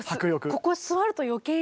ここ座ると余計に。